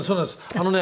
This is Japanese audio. あのね